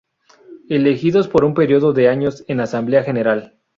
Elegidos por un periodo de años en Asamblea General.